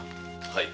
はい。